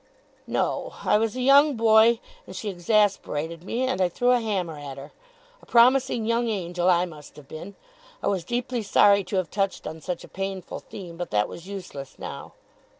'No. I was a young boy, and she exasperated me, and I threw a hammer at her. A promising young angel I must have been!' I was deeply sorry to have touched on such a painful theme, but that was useless now.